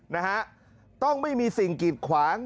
นะฮะต้องไม่มีสิ่งกีดขวาง